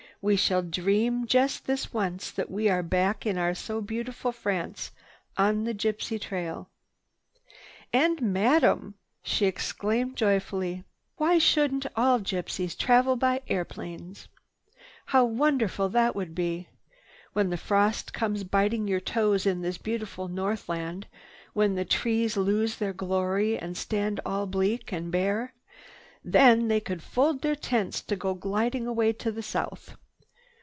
We shall dream just this once that we are back in our so beautiful France on the Gypsy Trail. "And Madame!" she exclaimed joyously, "Why shouldn't all gypsies travel in airplanes? How wonderful that would be! When the frost comes biting your toes in this beautiful northland, when the trees lose their glory and stand all bleak and bare, then they could fold their tents to go gliding away to the south.